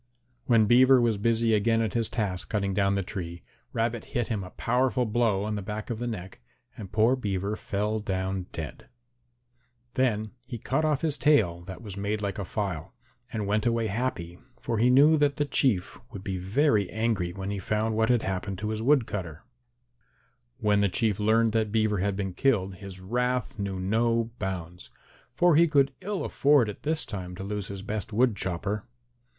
When Beaver was busy again at his task cutting down the tree, Rabbit hit him a powerful blow on the back of the neck and poor Beaver fell down dead. Then he cut off his tail that was made like a file, and went away happy, for he knew that the Chief would be very angry when he found what had happened to his wood cutter. [Illustration: HE WENT TO BEAVER'S HOUSE BY THE STREAM, HOBBLING ALONG WITH A STICK] When the Chief learned that Beaver had been killed, his wrath knew no bounds, for he could ill afford at this time to lose his best wood chopper.